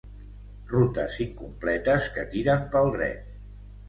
Rutes incompletes que tiren pel dret.